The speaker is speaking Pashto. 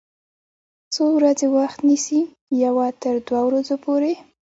څو ورځې وخت نیسي؟ یوه تر دوه ورځو پوری